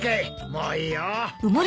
もういいよ。